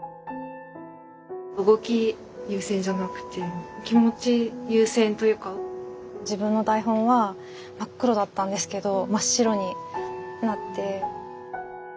動き優先じゃなくて気持ち優先というか自分の台本は真っ黒だったんですけど真っ白になって。